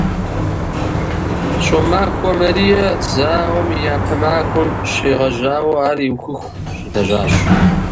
Щомахуэ Марие зауэм и япэ махуэм щегъэжьауэ ар иухыху щылэжьащ.